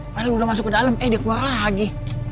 padahal udah masuk ke dalam eh dia keluar lagi